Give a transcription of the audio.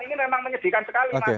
ini memang menyedihkan sekali